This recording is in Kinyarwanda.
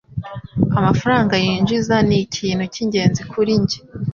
Amafaranga yinjiza ni ikintu cyingenzi kuri njye.